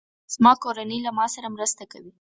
زما کورنۍ له ما سره مرسته کوي.